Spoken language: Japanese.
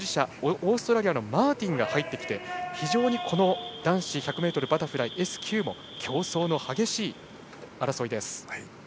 オーストラリアのマーティンが入ってきて、非常に男子１００ｍバタフライＳ９も競争の激しい争いです。